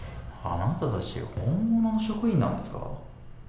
あなたたちは本物の職員なんですか？